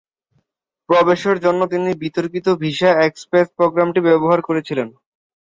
প্রবেশের জন্য তিনি বিতর্কিত ভিসা এক্সপ্রেস প্রোগ্রামটি ব্যবহার করেছিলেন।